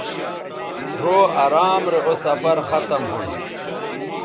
ڙھؤ ارام رے اوسفرختم ھون